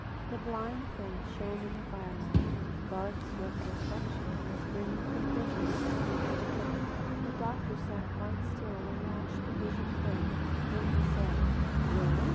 The blind face shone in the firelight. Garth's retrospection was bringing him visions of things to come. The doctor sat quite still and watched the vision fade. Then he said: "Well?"